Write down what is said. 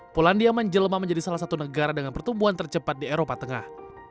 polandia menjelma menjadi salah satu negara dengan pertumbuhan tercepat di eropa tengah